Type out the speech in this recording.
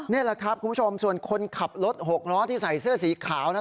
นี่แหละครับคุณผู้ชมส่วนคนขับรถหกล้อที่ใส่เสื้อสีขาวนะ